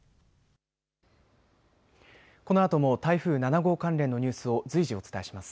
このあとも台風７号関連のニュースを随時お伝えします。